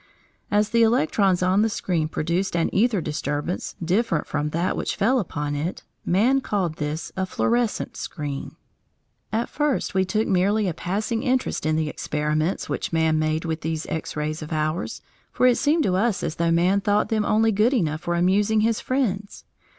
As the electrons on the screen produced an æther disturbance different from that which fell upon it, man called this a fluorescent screen. At first we took merely a passing interest in the experiments which man made with these X rays of ours, for it seemed to us as though man thought them only good enough for amusing his friends.